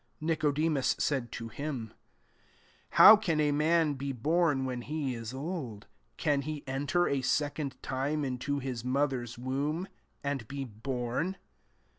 4 Nicodemus said to him, ^ How can a man be born when he is old ? can he enter a se cond time into his mother's womb, and be bom ?''